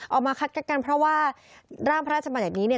ออกมาคัดกันเพราะว่าร่างพระราชบัญญัตินี้เนี่ย